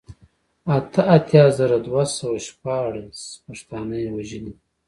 اته اتيا زره دوه سوه شپاړل پښتانه يې وژلي دي